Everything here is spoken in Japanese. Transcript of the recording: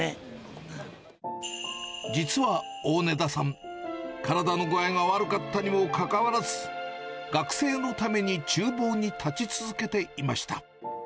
実は大根田さん、体の具合が悪かったにもかかわらず、学生のためにちゅう房に立ち続けていました。